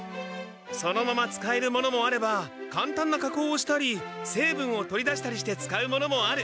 そのまま使えるものもあればかんたんなかこうをしたりせいぶんを取り出したりして使うものもある。